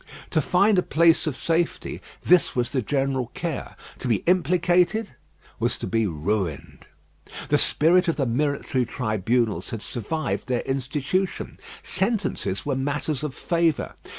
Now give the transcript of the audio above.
To find a place of safety, this was the general care. To be implicated was to be ruined. The spirit of the military tribunals had survived their institution. Sentences were matters of favour.